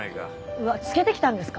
うわっつけてきたんですか？